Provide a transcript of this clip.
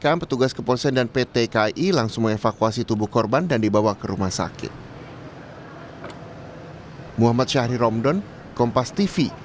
petugas kepolisian dan pt ki langsung mengevakuasi tubuh korban dan dibawa ke rumah sakit